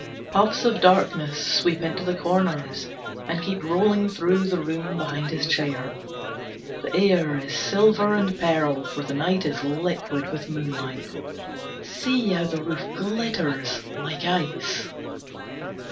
Puffs of darkness sweep into the corners, and keep rolling through the room behind his chair. The air is silver and pearl, for the night is liquid with moonlight. See how the roof glitters, like ice!